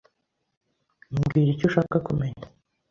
Mbwira icyo ushaka kumenya.